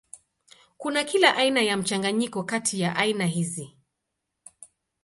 Kuna kila aina ya mchanganyiko kati ya aina hizi.